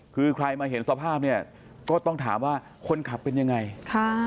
คือใครมาเห็นสภาพเนี่ยก็ต้องถามว่าคนขับเป็นยังไงค่ะ